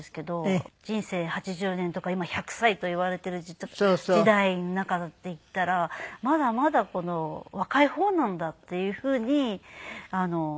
人生８０年とか今１００歳といわれてる時代の中でいったらまだまだ若い方なんだっていうふうに感じる。